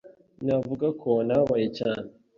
navuga ko nababaye cyane